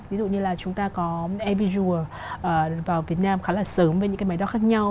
ví dụ như là chúng ta có airvisual vào việt nam khá là sớm với những cái máy đo khác nhau